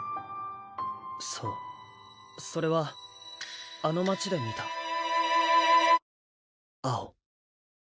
そうそれはあの街で見た青。